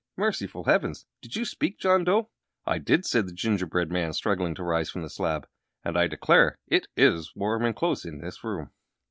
Merciful heavens! Did you speak, John Dough?" "I did," said the gingerbread man, struggling to rise from the slab, "and I declare that it is warm and close in this room!"